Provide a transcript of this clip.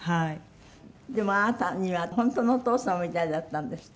でもあなたには本当のお父様みたいだったんですって？